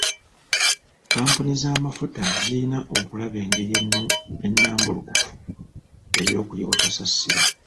Kampuni z'amafuta ziyina okulaba engeri ennambulukufu ey'okuyiwa kasasiro.